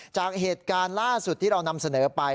จากเหตุการณ์ล่าสุดที่เรานำเสนอไป